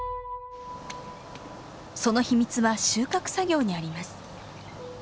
その秘密は収穫作業にあります。